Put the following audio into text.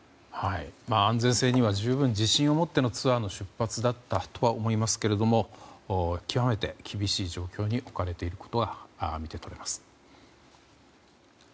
安全性には十分、自信を持ってのツアーの出発だったとは思いますが極めて厳しい状況に置かれていることが見て取れます。